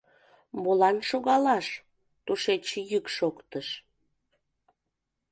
— Молан шогалаш? — тушеч йӱк шоктыш.